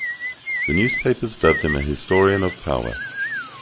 The newspapers dubbed him a historian of power.